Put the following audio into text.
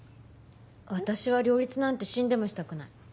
私は両立なんて死んでもしたくない。